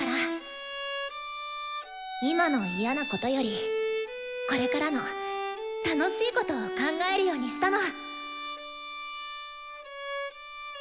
今の嫌なことよりこれからの楽しいことを考えるようにしたの！